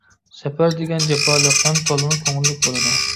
سەپەر دېگەن جاپالىق ھەم تولىمۇ كۆڭۈللۈك بولىدۇ.